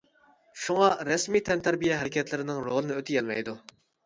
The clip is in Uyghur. شۇڭا رەسمىي تەنتەربىيە ھەرىكەتلىرىنىڭ رولىنى ئۆتىيەلمەيدۇ.